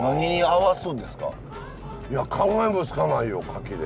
いや考えもつかないよ柿で。